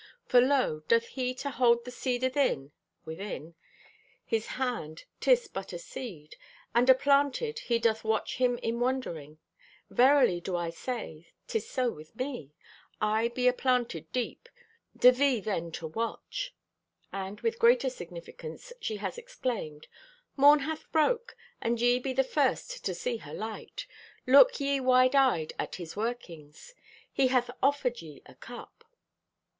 For lo, doth he to hold the seed athin (within) his hand, 'tis but a seed. And aplanted he doth watch him in wondering. Verily do I say, 'tis so with me. I be aplanted deep; do thee then to watch." And with greater significance she has exclaimed: "Morn hath broke, and ye be the first to see her light. Look ye wide eyed at His workings. He hath offered ye a cup."